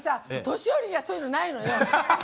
年寄りには、そういうのないのよ。